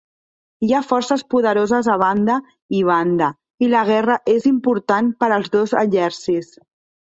Hi ha forces poderoses a banda i banda, i la guerra és important per als dos exèrcits.